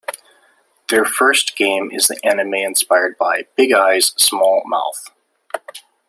Their first game is the anime inspired "Big Eyes, Small Mouth".